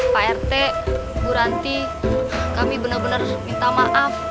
pak rt bu ranti kami benar benar minta maaf